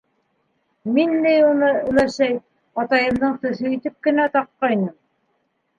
Мин ни уны, өләсәй, атайымдың төҫө итеп кенә таҡҡайным.